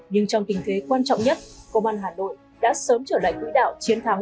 nhưng trong tình thế quan trọng nhất công an hà nội đã sớm trở lại quỹ đạo chiến thắng